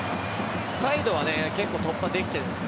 サイドは結構、突破できているんです。